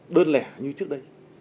đơn lẻ như trước đây